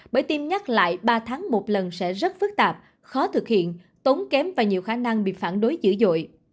bởi tiêm nhắc lại ba tháng một lần sẽ rất phức tạp khó thực hiện tốn kém và nhiều khả năng bị phản đối dữ dội